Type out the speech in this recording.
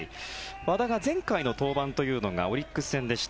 和田が前回の登板というのがオリックス戦でした。